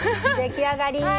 出来上がり！